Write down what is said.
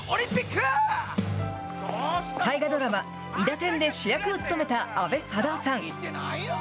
大河ドラマ、いだてんで主役を務めた阿部サダヲさん。